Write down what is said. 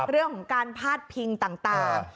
เรื่องของการพาดพิงต่าง